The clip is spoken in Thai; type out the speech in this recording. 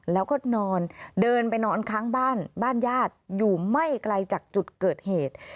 แล้วก็นอนเดินไปนอนค้างบ้านบ้านญาติอยู่ไม่ไกลจากจุดเกิดเหตุ